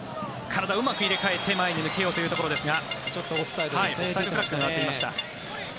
体をうまく入れ替えて前に抜けようというところですがオフサイドフラッグが上がっていました。